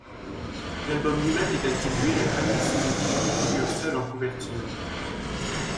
L'album lui-même est attribué à Ami Suzuki, qui figure seule en couverture.